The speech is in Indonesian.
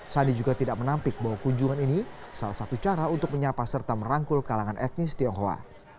sandi juga tidak menampik bahwa kunjungan ini salah satu cara untuk menyapa serta merangkul kalangan etnis tionghoa